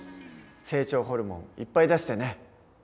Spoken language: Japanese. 成長ホルモンいっぱい出してね。